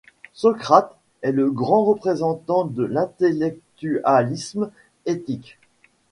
Socrate est le grand représentant de l'intellectualisme éthique.